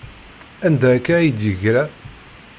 Anda akka ay d-yeggra?